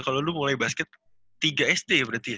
kalau lu mulai basket tiga sd ya berarti ya